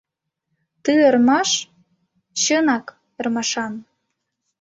Ты ӧрмаш — чынак, ӧрмашан